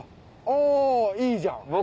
あいいじゃん。